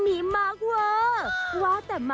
นานนั้นมันจะเห็นเจ้าผู้หลัก